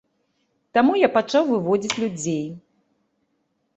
Таму я пачаў выводзіць людзей.